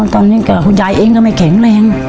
ตอนนี้คุณยายเองก็ไม่แข็งแรง